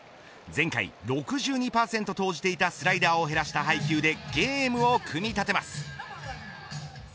前回６２％投じていたスライダーを減らした配球でゲームを組み立てます。